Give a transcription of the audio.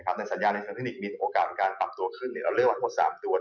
แต่สัญญาณในเทคนิคมีโอกาสการปรับตัวขึ้นเราเลือกวัดพอ๓ตัว